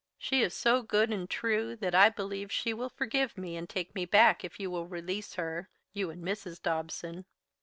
She is so good and true that I believe she will forgive me and take me back if you will release her you and Mrs. Dobson.